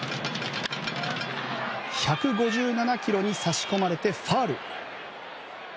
１５７キロに差し込まれてファウル。